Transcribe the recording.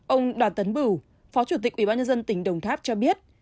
ông đoàn tấn bửu phó chủ tịch ubnd tỉnh đồng tháp cho biết